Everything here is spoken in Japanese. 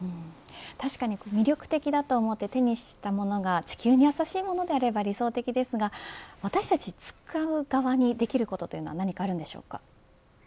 確かに魅力的だと思って手にしたものが地球に優しいものであれば理想的ですが私たち使う側にできることというのは何かあるんでしょうか。